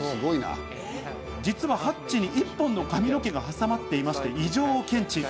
実はハッチに１本の髪の毛が挟まっていまして異常を検知。